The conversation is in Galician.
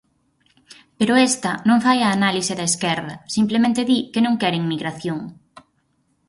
Pero esta non fai a análise da esquerda, simplemente di que non quere inmigración.